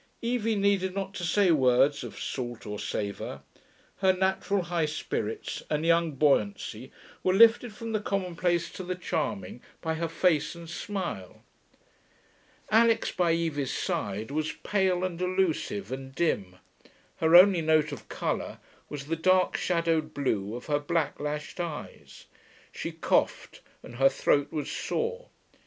Evie needed not to say words of salt or savour; her natural high spirits and young buoyancy were lifted from the commonplace to the charming by her face and smile. Alix by Evie's side was pale and elusive and dim; her only note of colour was the dark, shadowed blue of her black lashed eyes. She coughed, and her throat was sore.